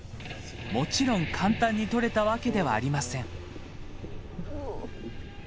もちろん簡単に撮れたわけではありません。